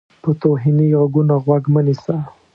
په توهیني غږونو غوږ مه نیسه.